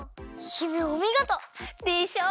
姫おみごと！でしょう！